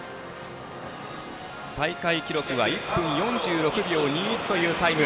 大会記録は１分４６秒２１というタイム。